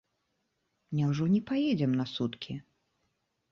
Няўжо не паедзем на суткі?